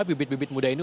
bibit bibit muda ini